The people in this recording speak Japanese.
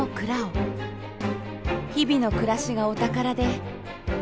日々の暮らしがお宝で。